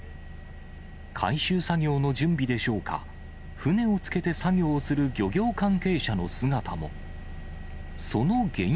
回収作業の準備でしょうか、船をつけて作業する漁業関係者の姿も。